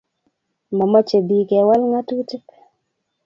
Momoche bik kewal ngatutik